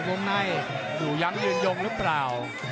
โบ๊คไนท์อยู่ยังยืนยงหรือเปล่า